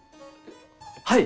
はい！